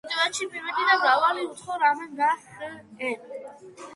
ინდოეთში მივედი და მრავალი უცხო რამე ვნახე: